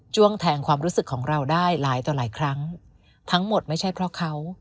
้วงแทงความรู้สึกของเราได้หลายต่อหลายครั้งทั้งหมดไม่ใช่เพราะเขา